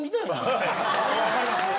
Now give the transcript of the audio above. わかります。